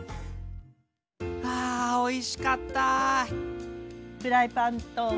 あおいしかった。